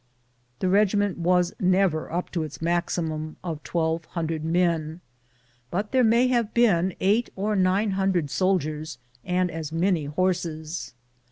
The regiment was never up to its maximum of twelve hundred men, but there may have been eight or nine hundred soldiers and as many horses.